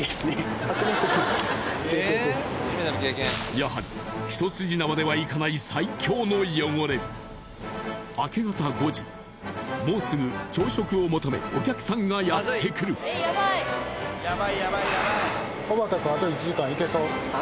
やはり一筋縄ではいかない最強の汚れ明け方５時もうすぐ朝食を求めお客さんがやってくるはあ